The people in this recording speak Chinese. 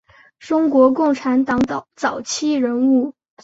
中国共产党早期人物。